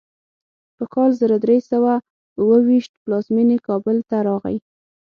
په کال زر درې سوه اوو ویشت پلازمینې کابل ته راغی.